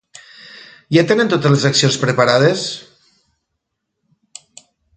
Ja tenen totes les accions preparades?